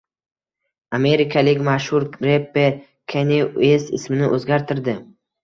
Amerikalik mashhur reper Kanye Uest ismini o‘zgartirdi